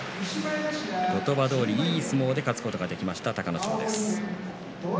言葉どおりいい相撲で勝つことができた隆の勝です。